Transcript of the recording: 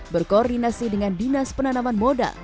berkoordinasi dengan dinas penanaman modal